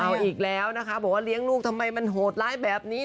เอาอีกแล้วนะคะบอกว่าเลี้ยงลูกทำไมมันโหดร้ายแบบนี้